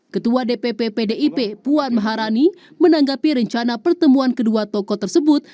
ketua dpp pdip puan maharani menanggapi rencana pertemuan kedua tokoh tersebut